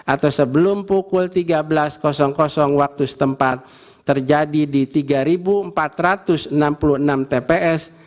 atau sebelum pukul tiga belas waktu setempat terjadi di tiga empat ratus enam puluh enam tps